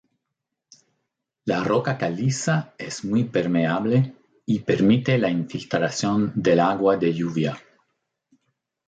La roca caliza es muy permeable y permite la infiltración del agua de lluvia.